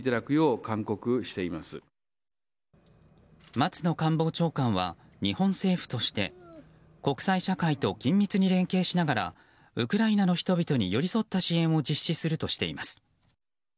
松野官房長官は日本政府として国際社会と緊密に連携しながらウクライナの人々に寄り添った支援を実施するとしています。